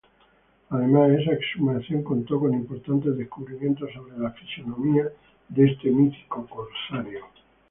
Además, esta exhumación contó con importantes descubrimientos sobre la fisionomía de este mítico corsario.